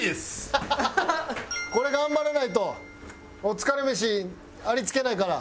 これ頑張らないとお疲れ飯ありつけないから！